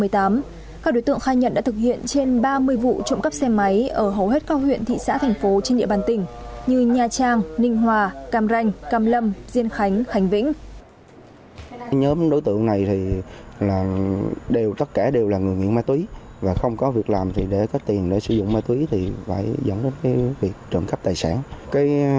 trong hai năm hai nghìn một mươi bảy và hai nghìn một mươi tám các đối tượng khai nhận đã thực hiện trên ba mươi vụ trộm cắp xe máy